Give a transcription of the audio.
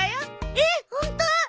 えっホント？